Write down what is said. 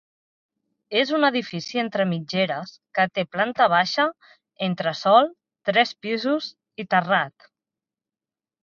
És un edifici entre mitgeres que té planta baixa, entresòl, tres pisos i terrat.